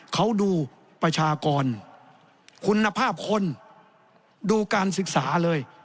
เขาดูประชากรคุณภาพคนดูการศึกษาเลย